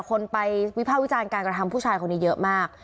คนไปวิภาควิจารณ์การกระทำผู้ชายคนนี้เยอะมาก